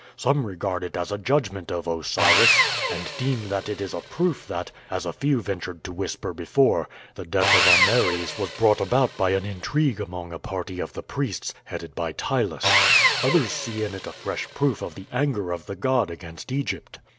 Some regard it as a judgment of Osiris, and deem that it is a proof that, as a few ventured to whisper before, the death of Ameres was brought about by an intrigue among a party of the priests, headed by Ptylus. Others see in it a fresh proof of the anger of the god against Egypt.